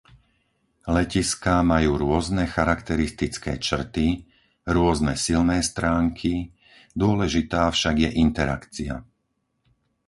Letiská majú rôzne charakteristické črty, rôzne silné stránky, dôležitá však je interakcia.